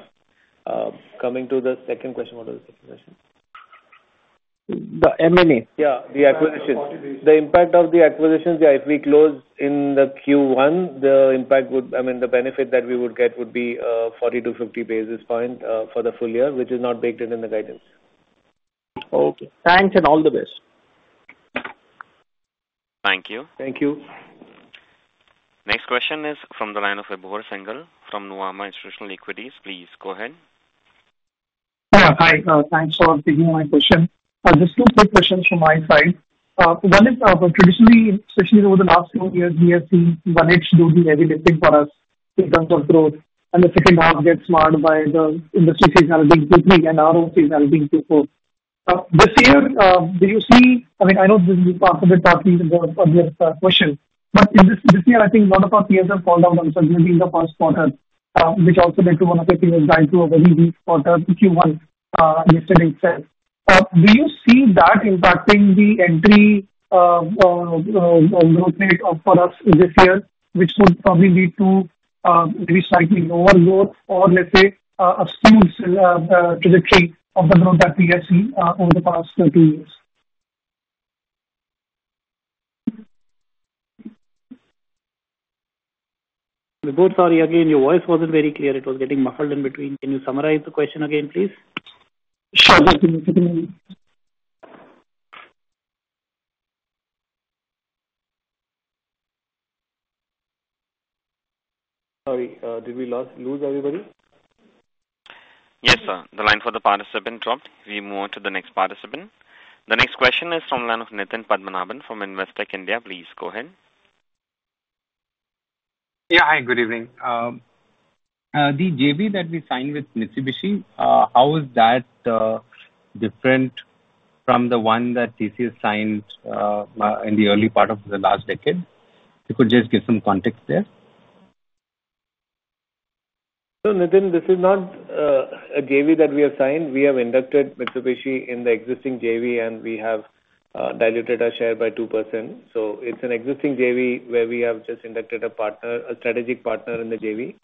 Coming to the second question, what was the second question? The M&A? Yeah, the acquisitions. The impact of the acquisitions, yeah, if we close in the Q1, the impact would, I mean, the benefit that we would get would be 40-50 basis points for the full year, which is not baked in in the guidance. Okay. Thanks and all the best. Thank you. Thank you. Next question is from the line of Vibhor Singhal from Nuvama Institutional Equities. Please go ahead. Yeah. Hi. Thanks for taking my question. Just two quick questions from my side. One is, traditionally, especially over the last few years, we have seen 1H do the heavy lifting for us in terms of growth. The second half gets marred by the industry seasonality in Q3 and our own seasonality in Q4. This year, do you see—I mean, I know this is part of the talking about this question, but this year, I think a lot of our peers have called out uncertainty in the first quarter, which also led to one of the things that drives through a very weak quarter Q1 yesterday itself. Do you see that impacting the entry growth rate for us this year, which would probably lead to maybe slightly lower growth or, let's say, a skewed trajectory of the growth that we have seen over the past two years? Both, sorry, again, your voice wasn't very clear. It was getting muffled in between. Can you summarize the question again, please? Sure. Sorry. Did we lose everybody? Yes, sir. The line for the participant dropped. We move on to the next participant. The next question is from the line of Nitin Padmanabhan from Investec. Please go ahead. Yeah. Hi. Good evening. The JV that we signed with Mitsubishi, how is that different from the one that TCS has signed in the early part of the last decade? You could just give some context there. Nitin, this is not a JV that we have signed. We have inducted Mitsubishi in the existing JV, and we have diluted our share by 2%. It is an existing JV where we have just inducted a strategic partner in the JV.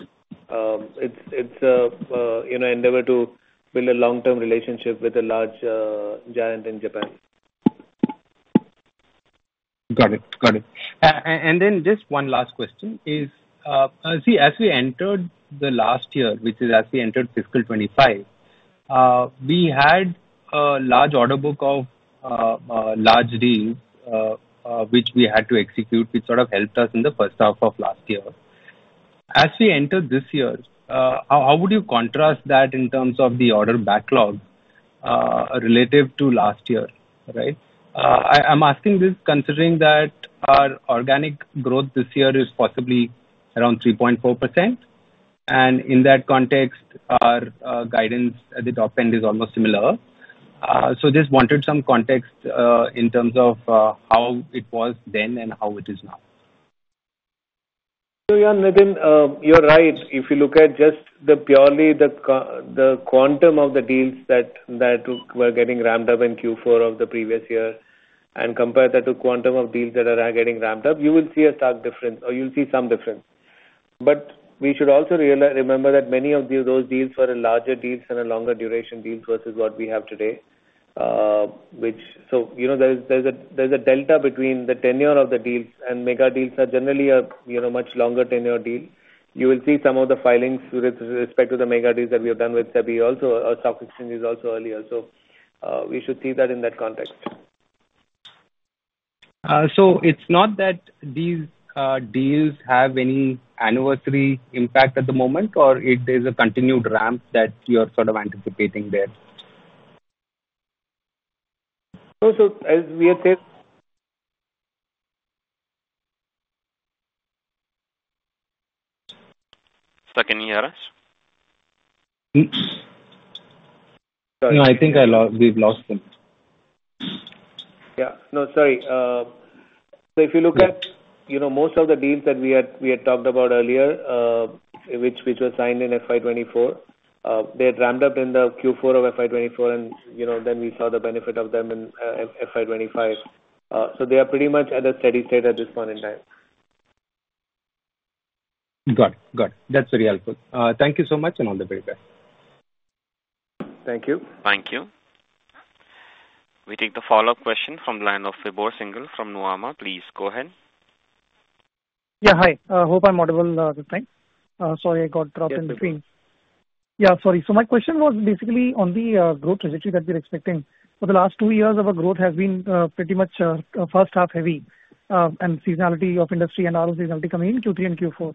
It is an endeavor to build a long-term relationship with a large giant in Japan. Got it. Got it. Just one last question is, see, as we entered the last year, which is as we entered fiscal 2025, we had a large order book of large deals which we had to execute, which sort of helped us in the first half of last year. As we enter this year, how would you contrast that in terms of the order backlog relative to last year, right? I'm asking this considering that our organic growth this year is possibly around 3.4%. In that context, our guidance at the top end is almost similar. Just wanted some context in terms of how it was then and how it is now. Yeah, Nithin, you're right. If you look at just purely the quantum of the deals that were getting ramped up in Q4 of the previous year and compare that to quantum of deals that are getting ramped up, you will see a stark difference, or you'll see some difference. We should also remember that many of those deals were larger deals and longer duration deals versus what we have today, which, so there's a delta between the tenure of the deals, and mega deals are generally a much longer tenure deal. You will see some of the filings with respect to the mega deals that we have done with SEBI also, or stock exchanges also earlier. We should see that in that context. It's not that these deals have any anniversary impact at the moment, or it is a continued ramp that you're sort of anticipating there? Also, as we had said. Sir Jayesh? No, I think we've lost him. Yeah. No, sorry. If you look at most of the deals that we had talked about earlier, which were signed in FY 2024, they had ramped up in the Q4 of FY 2024, and then we saw the benefit of them in FY 2025. They are pretty much at a steady state at this point in time. Got it. Got it. That's very helpful. Thank you so much, and all the very best. Thank you. Thank you. We take the follow-up question from the line of Vibhor Singhal from Nuvama. Please go ahead. Yeah. Hi. Hope I'm audible this time. Sorry, I got dropped in between. Sorry. My question was basically on the growth trajectory that we're expecting. For the last two years, our growth has been pretty much first half heavy, and seasonality of industry and our seasonality coming in Q3 and Q4.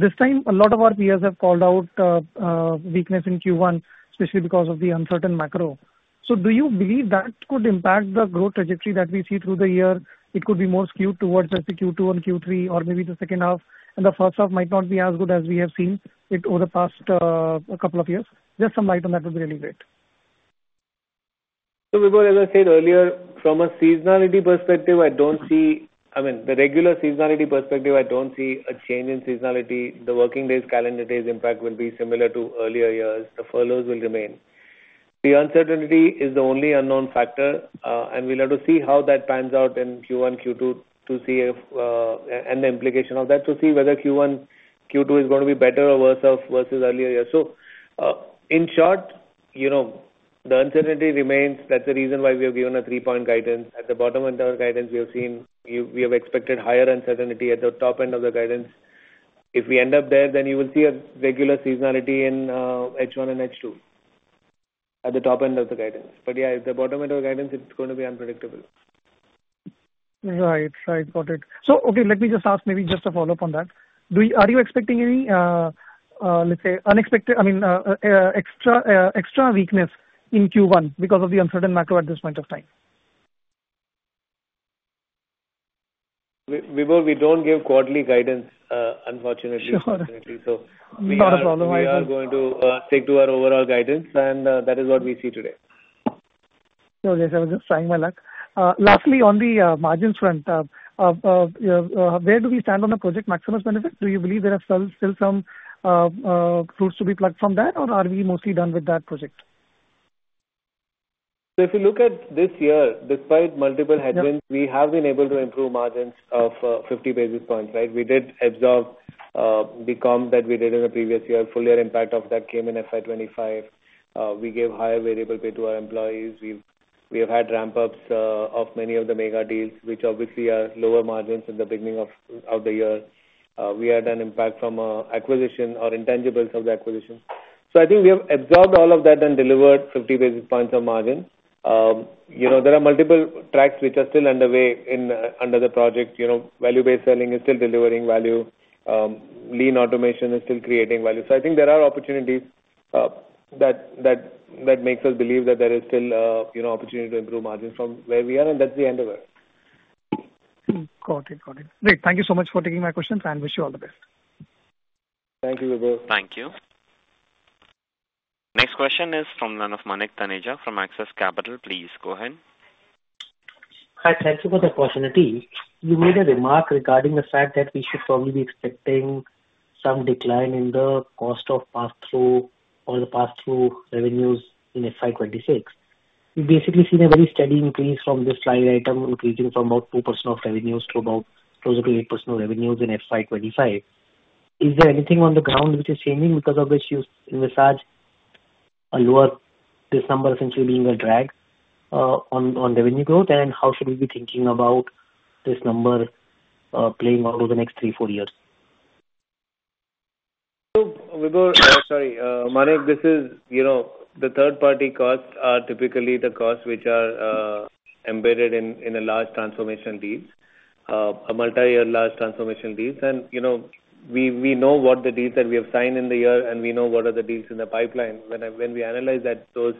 This time, a lot of our peers have called out weakness in Q1, especially because of the uncertain macro. Do you believe that could impact the growth trajectory that we see through the year? It could be more skewed towards the Q2 and Q3, or maybe the second half, and the first half might not be as good as we have seen over the past couple of years. Just some light on that would be really great. As I said earlier, from a seasonality perspective, I don't see—I mean, the regular seasonality perspective, I don't see a change in seasonality. The working days, calendar days impact will be similar to earlier years. The furloughs will remain. The uncertainty is the only unknown factor, and we'll have to see how that pans out in Q1, Q2, and the implication of that to see whether Q1, Q2 is going to be better or worse versus earlier years. In short, the uncertainty remains. That's the reason why we have given a three-point guidance. At the bottom end of our guidance, we have seen—we have expected higher uncertainty. At the top end of the guidance, if we end up there, then you will see a regular seasonality in H1 and H2 at the top end of the guidance. Yeah, at the bottom end of the guidance, it's going to be unpredictable. Right. Right. Got it. Okay, let me just ask maybe just a follow-up on that. Are you expecting any, let's say, unexpected—I mean, extra weakness in Q1 because of the uncertain macro at this point of time? We don't give quarterly guidance, unfortunately. Sure. Not a problem. I don't. We are going to stick to our overall guidance, and that is what we see today. Yes, I was just trying my luck. Lastly, on the margins front, where do we stand on the Project Maximus benefit? Do you believe there are still some fruits to be plucked from that, or are we mostly done with that project? If you look at this year, despite multiple headwinds, we have been able to improve margins of 50 basis points, right? We did absorb the comp that we did in the previous year. Full year impact of that came in FY 2025. We gave higher variable pay to our employees. We have had ramp-ups of many of the mega deals, which obviously are lower margins in the beginning of the year. We had an impact from acquisition or intangibles of the acquisition. I think we have absorbed all of that and delivered 50 basis points of margin. There are multiple tracks which are still underway under the project. Value-based selling is still delivering value. Lean automation is still creating value. I think there are opportunities that make us believe that there is still opportunity to improve margins from where we are, and that's the end of it. Got it. Got it. Great. Thank you so much for taking my questions, and wish you all the best. Thank you, Vibhor. Thank you. Next question is from the line of Manik Taneja from Axis Capital. Please go ahead. Hi. Thank you for the opportunity. You made a remark regarding the fact that we should probably be expecting some decline in the cost of pass-through or the pass-through revenues in FY 2026. We've basically seen a very steady increase from this slide item increasing from about 2% of revenues to about closer to 8% of revenues in FY 2025. Is there anything on the ground which is changing because of which you may see a lower this number essentially being a drag on revenue growth, and how should we be thinking about this number playing out over the next three, four years? Vibhor, sorry, Manik, this is the third-party costs are typically the costs which are embedded in a large transformation deal, a multi-year large transformation deal. We know what the deals that we have signed in the year, and we know what are the deals in the pipeline. When we analyze those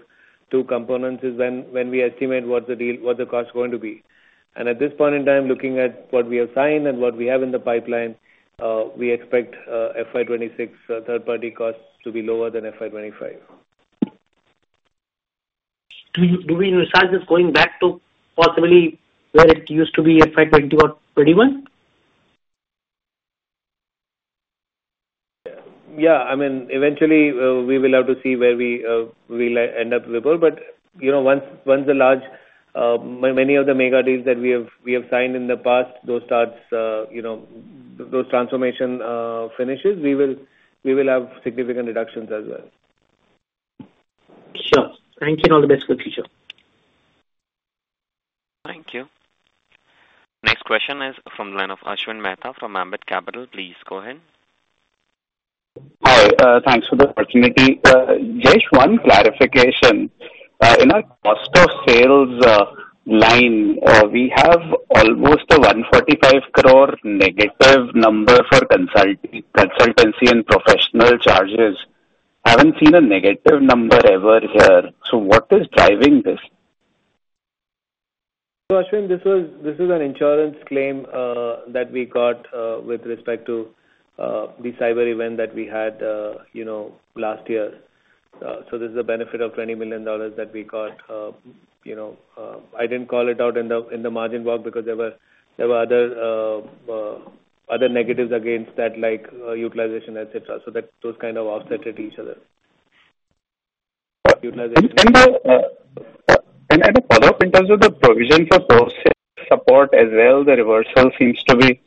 two components, is when we estimate what the cost is going to be. At this point in time, looking at what we have signed and what we have in the pipeline, we expect FY 2026 third-party costs to be lower than FY 2025. Did we mishear this going back to possibly where it used to be FY 2020 or 2021? Yeah. I mean, eventually, we will have to see where we end up, Vibhor. Once many of the mega deals that we have signed in the past, those transformation finishes, we will have significant reductions as well. Sure. Thank you. All the best for the future. Thank you. Next question is from the line of Ashwin Mehta from Ambit Capital. Please go ahead. Hi. Thanks for the opportunity. Just one clarification. In our cost of sales line, we have almost 145 crore negative number for consultancy and professional charges. Haven't seen a negative number ever here. What is driving this? Ashwin, this was an insurance claim that we got with respect to the cyber event that we had last year. This is the benefit of $20 million that we got. I did not call it out in the margin box because there were other negatives against that, like utilization, etc. Those kind of offset each other. A follow-up in terms of the provision for post-sale support as well, the reversal seems to be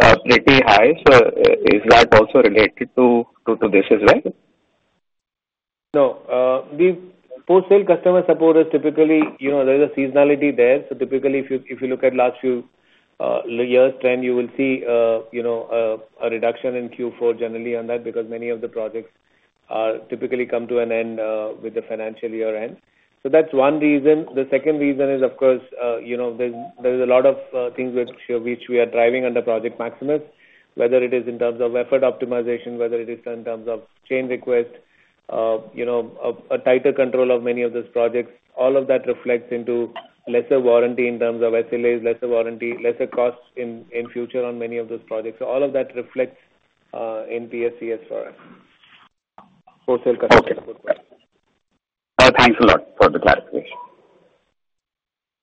pretty high. Is that also related to this as well? No. Post-sale customer support is typically there's a seasonality there. Typically, if you look at last few years, then you will see a reduction in Q4 generally on that because many of the projects typically come to an end with the financial year end. That is one reason. The second reason is, of course, there are a lot of things which we are driving under Project Maximus, whether it is in terms of effort optimization, whether it is in terms of change request, a tighter control of many of those projects. All of that reflects into lesser warranty in terms of SLAs, lesser warranty, lesser costs in future on many of those projects. All of that reflects in PSCS for us, post-sale customer support. Okay. Thanks a lot for the clarification.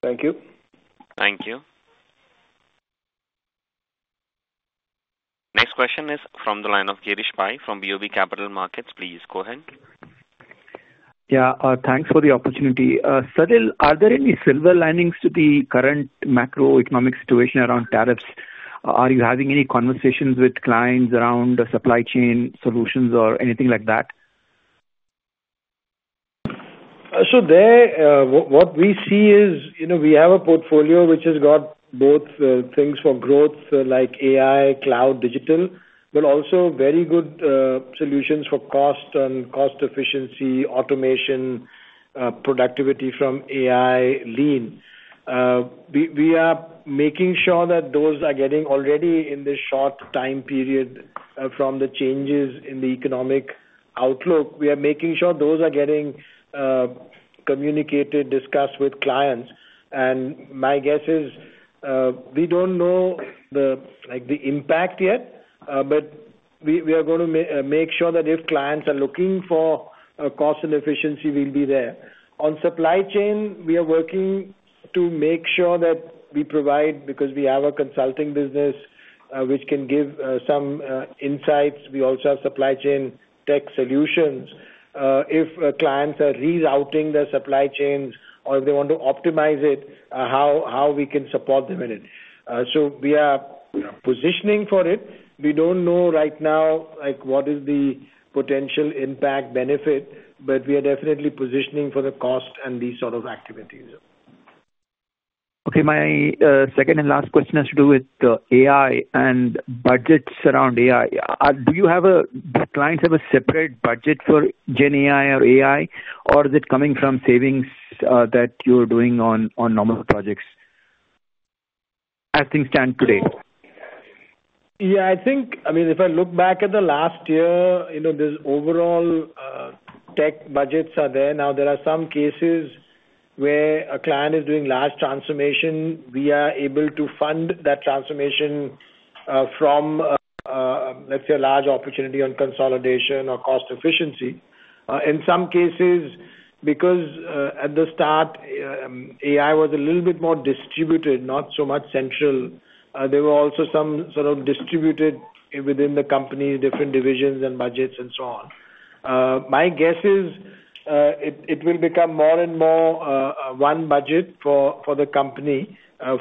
Thank you. Thank you. Next question is from the line of Girish Pai from BOB Capital Markets. Please go ahead. Yeah. Thanks for the opportunity. Salil, are there any silver linings to the current macroeconomic situation around tariffs? Are you having any conversations with clients around supply chain solutions or anything like that? What we see is we have a portfolio which has got both things for growth like AI, cloud, digital, but also very good solutions for cost and cost efficiency, automation, productivity from AI, lean. We are making sure that those are getting already in the short time period from the changes in the economic outlook. We are making sure those are getting communicated, discussed with clients. My guess is we do not know the impact yet, but we are going to make sure that if clients are looking for cost and efficiency, we will be there. On supply chain, we are working to make sure that we provide because we have a consulting business which can give some insights. We also have supply chain tech solutions. If clients are rerouting their supply chains or if they want to optimize it, how we can support them in it. We are positioning for it. We do not know right now what is the potential impact benefit, but we are definitely positioning for the cost and these sort of activities. Okay. My second and last question has to do with AI and budgets around AI. Do clients have a separate budget for GenAI or AI, or is it coming from savings that you're doing on normal projects as things stand today? Yeah. I mean, if I look back at the last year, the overall tech budgets are there. Now, there are some cases where a client is doing large transformation. We are able to fund that transformation from, let's say, a large opportunity on consolidation or cost efficiency. In some cases, because at the start, AI was a little bit more distributed, not so much central. There were also some sort of distributed within the company, different divisions and budgets and so on. My guess is it will become more and more one budget for the company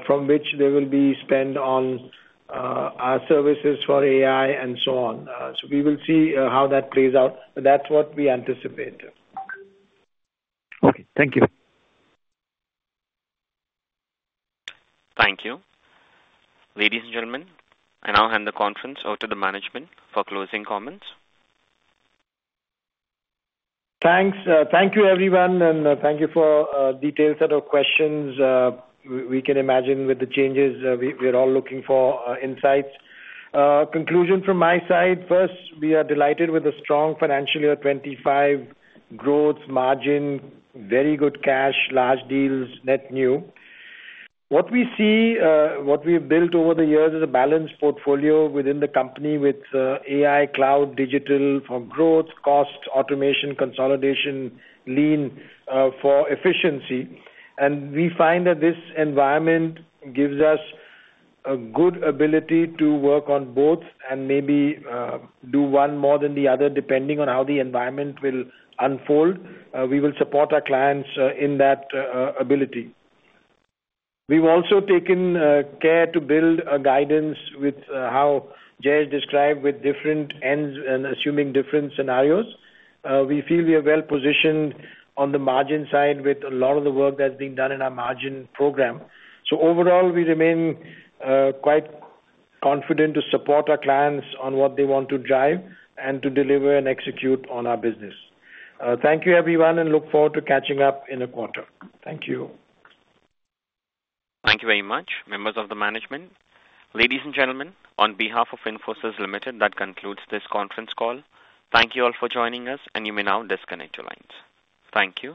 from which there will be spend on our services for AI and so on. We will see how that plays out. That is what we anticipate. Okay. Thank you. Thank you. Ladies and gentlemen, I now hand the conference over to the management for closing comments. Thanks. Thank you, everyone, and thank you for detailed set of questions. We can imagine with the changes, we're all looking for insights. Conclusion from my side, first, we are delighted with a strong financial year 2025, growth, margin, very good cash, large deals, net new. What we see, what we have built over the years is a balanced portfolio within the company with AI, cloud, digital for growth, cost, automation, consolidation, lean for efficiency. We find that this environment gives us a good ability to work on both and maybe do one more than the other depending on how the environment will unfold. We will support our clients in that ability. We have also taken care to build a guidance with how Jay has described with different ends and assuming different scenarios. We feel we are well positioned on the margin side with a lot of the work that's being done in our margin program. Overall, we remain quite confident to support our clients on what they want to drive and to deliver and execute on our business. Thank you, everyone, and look forward to catching up in a quarter. Thank you. Thank you very much, members of the management. Ladies and gentlemen, on behalf of Infosys Limited, that concludes this conference call. Thank you all for joining us, and you may now disconnect your lines. Thank you.